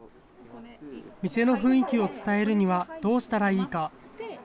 店の雰囲気を伝えるにはどうしたらいいか。